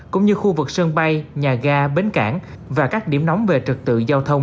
cũng như khu vực sân bay nhà ga bến cảng và các điểm nóng về trực tự giao thông